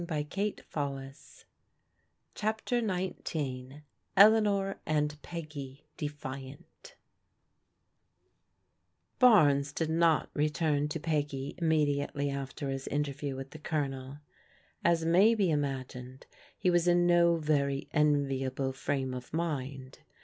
But vrtietxl CHAPTER XIX ELEANOR AND PEGGY DEFIANT BARNES did not return to Ptggy immediatdy after his interview with the Colonel. As may be imagined, he was in no very enviable frame of mind.